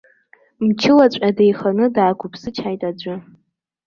Мчылаҵәҟьа деиханы даақәыԥсычҳаит аӡәы.